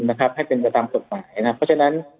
นะครับให้เป็นกระตามตตรงไหนนะครับเพราะฉะนั้น